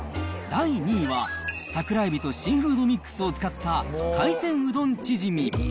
第２位は桜えびとシーフードミックスを使った海鮮うどんチヂ